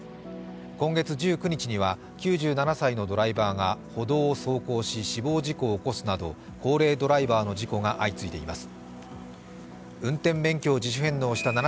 今月１９日は９７歳のドライバーが歩道を走行し死亡事故を起こすなど高齢ドライバーの事故が相次いでいます。